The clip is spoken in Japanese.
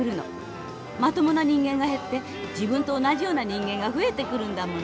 まともな人間が減って自分と同じような人間が増えてくるんだもの」。